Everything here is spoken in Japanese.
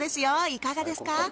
いかがですか？